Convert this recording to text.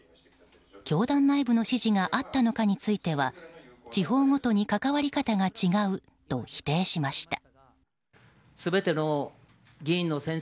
教団内部の指示があったのかについては地方ごとに関わり方が違うと否定しました。